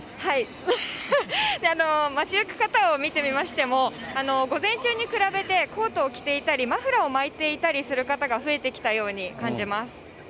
街行く方を見てみましても、午前中に比べて、コートを着ていたり、マフラーを巻いていたりする方が増えてきたように感じます。